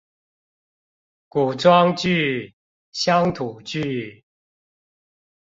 古裝劇，鄉土劇